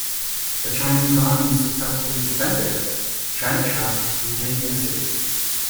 The Chinese armies successfully defended Changsha, retaking the city.